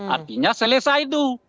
artinya selesai itu